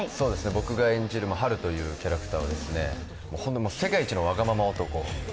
僕が演じるハルというキャラクターは世界一のわがまま男。